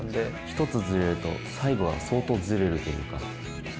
１つズレると最後は相当ズレるというか。